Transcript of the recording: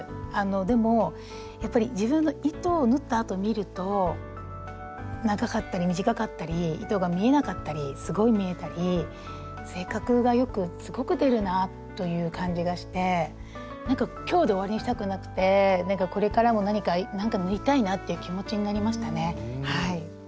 でもやっぱり自分の糸を縫ったあと見ると長かったり短かったり糸が見えなかったりすごい見えたり性格がよくすごく出るなあという感じがしてなんか今日で終わりにしたくなくてこれからも何かなんか縫いたいなあっていう気持ちになりましたねはい。